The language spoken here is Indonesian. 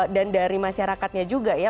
dan dari masyarakatnya juga ya